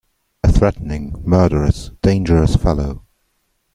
A threatening, murderous, dangerous fellow.